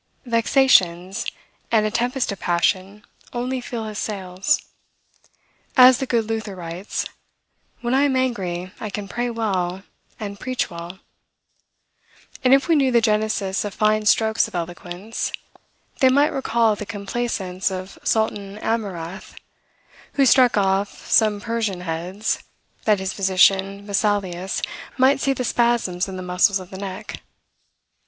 Vexations, and a tempest of passion, only fill his sails; as the good Luther writes, "When I am angry I can pray well, and preach well;" and if we knew the genesis of fine strokes of eloquence, they might recall the complaisance of Sultan Amurath, who struck off some Persian heads, that his physician, Vesalius, might see the spasms in the muscles of the neck.